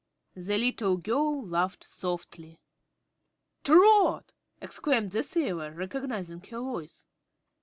The little girl laughed softly. "Trot!" exclaimed the sailor, recognizing her voice.